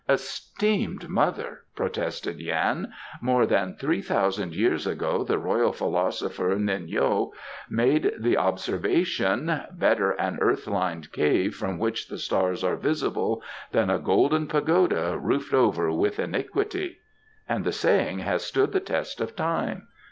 "Esteemed mother," protested Yan, "more than three thousand years ago the royal philosopher Nin hyo made the observation: 'Better an earth lined cave from which the stars are visible than a golden pagoda roofed over with iniquity,' and the saying has stood the test of time."